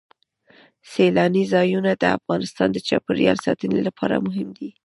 سیلاني ځایونه د افغانستان د چاپیریال ساتنې لپاره مهم دي.